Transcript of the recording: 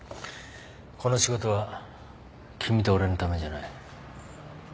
この仕事は君と俺のためじゃない。